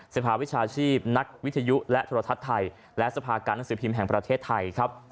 ภาวิชาชีพนักวิทยุและโทรทัศน์ไทยและสภาการหนังสือพิมพ์แห่งประเทศไทยครับ